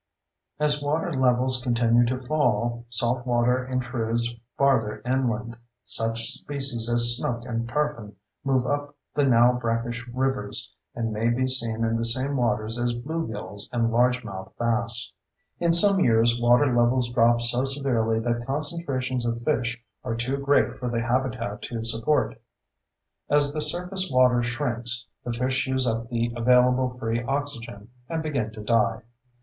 As water levels continue to fall, salt water intrudes farther inland; such species as snook and tarpon move up the now brackish rivers, and may be seen in the same waters as bluegills and largemouth bass. In some years water levels drop so severely that concentrations of fish are too great for the habitat to support. As the surface water shrinks, the fish use up the available free oxygen and begin to die.